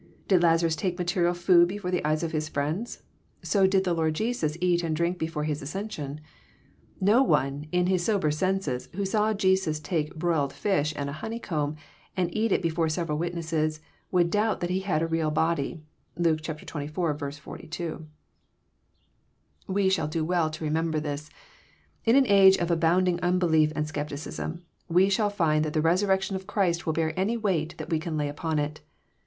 — Did Lazarus take material food before the eyes of his friends? So did the Lord Jesus eat and drink before His ascension. — No one, in his sober senses, who saw Jesus take " broiled fish and a honeycomb," and eat it before several witnesses, would doubt that He had a real body. (Luke zxiv. 42.) We shall do well to remember this. In an age of abounding unbelief and scepticism, we shall find that the resurrection of Christ will bear any weight that we can lay upon it.